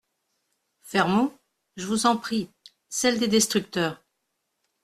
Fermons, je vous en prie, celle des destructeurs.